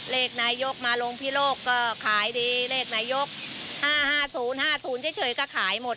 เลขนายยก๕๕๐๕๐เฉยก็ขายหมด